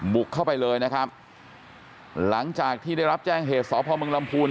บุกเข้าไปเลยนะครับหลังจากที่ได้รับแจ้งเหตุสพมลำพูน